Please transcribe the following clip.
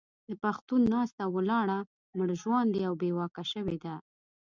د پښتون ناسته او ولاړه مړژواندې او بې واکه شوې ده.